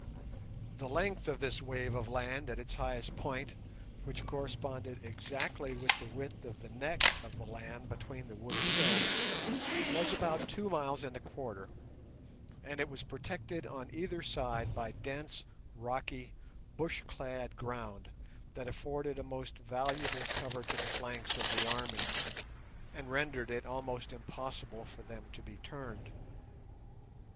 The length of this wave of land at its highest point, which corresponded exactly with the width of the neck of the land between the wooded hills, was about two miles and a quarter, and it was protected on either side by dense, rocky, bush clad ground, that afforded a most valuable cover to the flanks of the army and rendered it almost impossible for them to be turned.